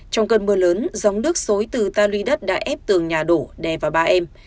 trong cơn mưa lớn gióng nước xối từ ta luy đất đã ép tường nhà đổ đè vào ba em